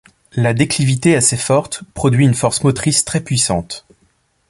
La déclivité assez forte produit une force motrice très puissante.